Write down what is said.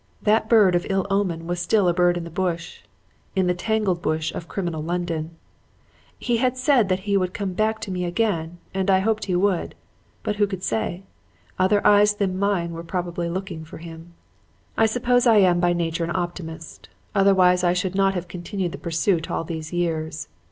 That bird of ill omen was still a bird in the bush; in the tangled bush of criminal London. He had said that he would come to me again, and I hoped that he would. But who could say? Other eyes than mine were probably looking for him. "I suppose I am by nature an optimist; otherwise I should not have continued the pursuit all these years.